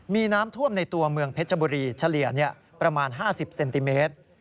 มีน้ำท่วมในตัวเมืองเพชรบุรีเฉลี่ยประมาณ๕๐เซนติเมตร